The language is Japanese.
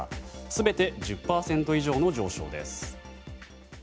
全て１０％以上の上昇です。